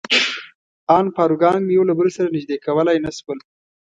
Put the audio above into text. ان پاروګان مې یو له بل سره نژدې کولای نه شول.